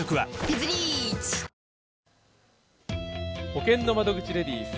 ほけんの窓口レディース。